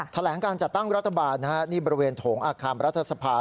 แถลงการจัดตั้งรัฐบาลนี่บริเวณโถงอาคารรัฐสภา